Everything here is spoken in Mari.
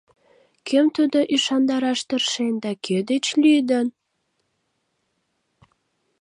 Кӧм тудо ӱшандараш тыршен да кӧ деч лӱдын?